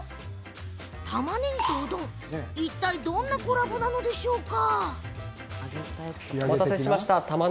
たまねぎとうどん、いったいどんなコラボなのでしょうか。